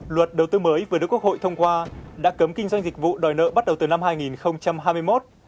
luật đầu tư mới vừa được quốc hội thông qua đã cấm kinh doanh dịch vụ đòi nợ bắt đầu từ năm hai nghìn hai mươi một